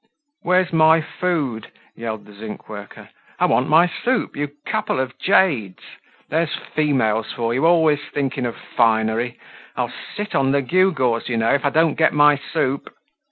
"Where's my food?" yelled the zinc worker. "I want my soup, you couple of jades! There's females for you, always thinking of finery! I'll sit on the gee gaws, you know, if I don't get my soup!"